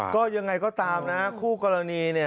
ก็ยังไงก็ตามนะคู่กรณีเนี่ย